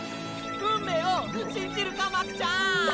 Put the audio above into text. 運命を信じるか巻ちゃん！！